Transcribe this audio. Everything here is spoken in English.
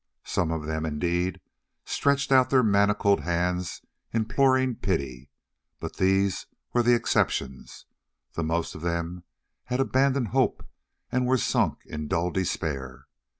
Some of them, indeed, stretched out their manacled hands imploring pity, but these were the exceptions; the most of them had abandoned hope and were sunk in dull despair.